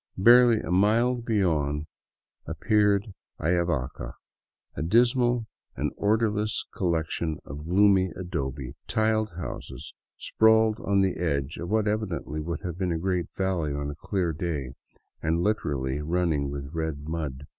Barely a mile beyond appeared Ayavaca, a dismal and order less collection of gloomy adobe, tiled houses, sprawling on the edge of what evidently would have been a great valley on a clear day, and literally running with red mud.